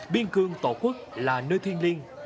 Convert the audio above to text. biên cương tổ quốc là nơi thiên liêng